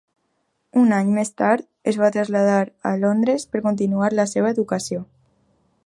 Un any més tard, es va traslladar a Londres per continuar la seva educació.